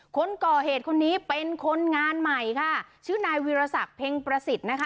คนก่อเหตุคนนี้เป็นคนงานใหม่ค่ะชื่อนายวิรสักเพ็งประสิทธิ์นะคะ